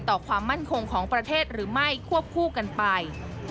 ความมั่นคงของประเทศหรือไม่ควบคู่กันไป